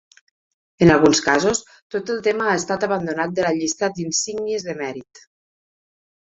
En alguns casos, tot el tema ha estat abandonat de la llista d'insígnies de mèrit.